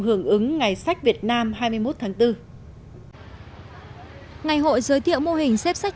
hưởng ứng ngày sách việt nam hai mươi một tháng bốn ngày hội giới thiệu mô hình xếp sách